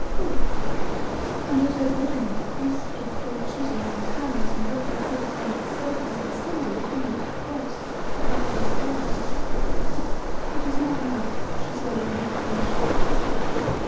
Good," and at her bidding the priests took cold chisels and hammers and roughly cut upon its surface the symbol of the looped cross the crux ansata. "It is not enough," she said when they had finished.